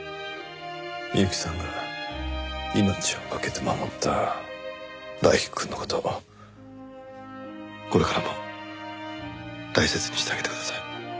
美由紀さんが命をかけて守った大樹くんの事これからも大切にしてあげてください。